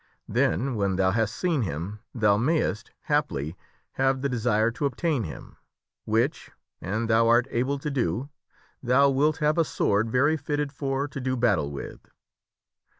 Then when thou hast seen him thou mayst, haply, have the desire to obtain him ; which, an thou art able to do, thou wilt have a sword very fitted for to do battle with."